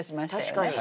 確かに。